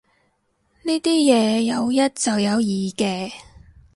呢啲嘢有一就有二嘅